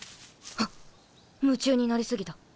はっ夢中になり過ぎた。